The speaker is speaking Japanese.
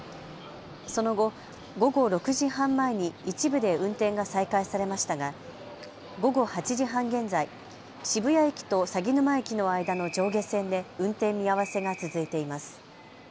その後、午後６時半前に一部で運転が再開されましたが午後８時半現在、渋谷駅と鷺沼駅の間の上下線で運転見合わせが続いています。